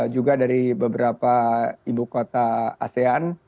juga dari beberapa ibu kota asean